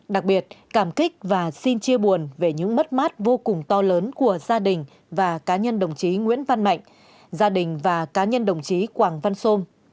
đặc biệt cảm kích và xin chia buồn về những mất mát vô cùng to lớn của gia đình và cá nhân đồng chí nguyễn văn mạnh gia đình và cá nhân đồng chí quảng văn sôm